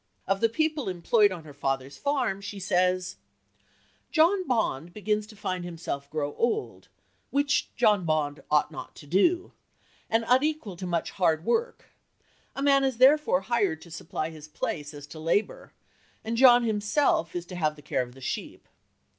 Of the people employed on her father's farm, she says "John Bond begins to find himself grow old, which John Bond ought not to do, and unequal to much hard work; a man is therefore hired to supply his place as to labour, and John himself is to have the care of the sheep.